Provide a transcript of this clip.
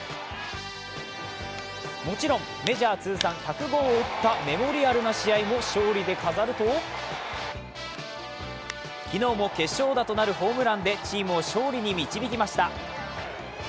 もちろん、メジャー通算１００号を打ったメモリアルな試合も勝利で飾ると昨日も決勝打となるホームランでチームを勝利に導きました。